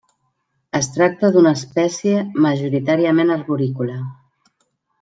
Es tracta d'una espècie majoritàriament arborícola.